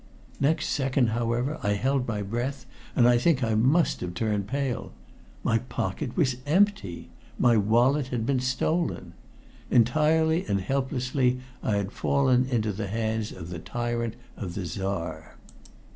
Next second, however, I held my breath, and I think I must have turned pale. My pocket was empty! My wallet had been stolen! Entirely and helplessly I had fallen into the hands of the tyrant of the Czar.